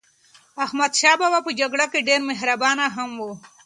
احمدشاه بابا په جګړه کې ډېر مهربان هم و.